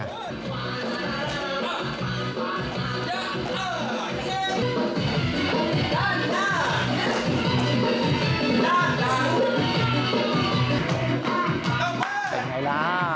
เป็นอย่างไรล่ะ